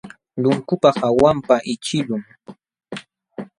Lunkupa hawanpaq ićhiqlun.